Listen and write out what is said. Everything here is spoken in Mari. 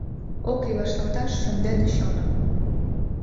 Ок лий вашталташ чон ден чоным!